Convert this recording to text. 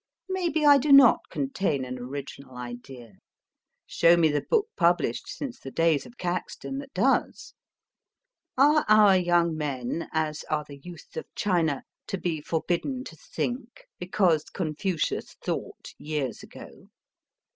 Maybe I do not contain an original idea. Show me the book published since the days of Caxton that does ! Are our young men, as are the youth of China, to be forbidden to think, because Confucius thought years ago